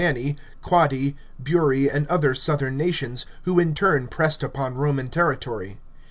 543 manni, Quadi, Buri, and other southern nations, who in turn pressed upon Roman territory.